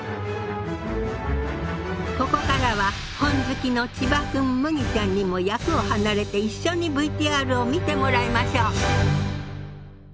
ここからは本好きの千葉君麦ちゃんにも役を離れて一緒にＶＴＲを見てもらいましょう。